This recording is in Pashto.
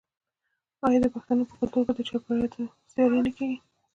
آیا د پښتنو په کلتور کې د چاربیتیو سیالي نه کیږي؟